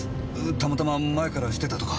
たまたま前から知ってたとか？